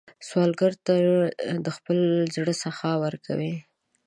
سوالګر ته د خپل زړه سخا ورکوئ